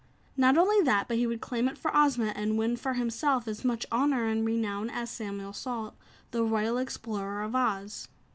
Not only that, but he could claim it for Ozma and win for himself as much honor and renown as Samuel Salt, the Royal Explorer of Oz.